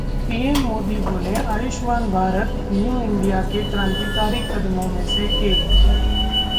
PM Modi बोले- Ayushman Bharat new India के क्रांतिकारी कदमों में से एक